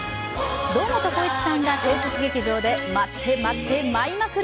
堂本光一さんが帝国劇場で舞って舞って舞いまくる！